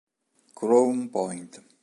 Crown Point